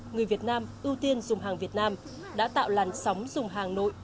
người việt nam ưu tiên dùng hàng việt nam đã tạo làn sóng dùng hàng nội